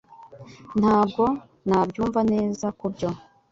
Ntabwo nabyumva neza kubyo